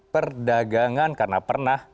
perdagangan karena pernah